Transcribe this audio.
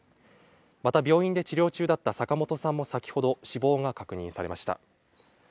また病院で治療中だった坂本さんも先ほど死亡が確認されました。